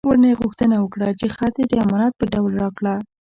ورنه یې غوښتنه وکړه چې خر دې د امانت په ډول راکړه.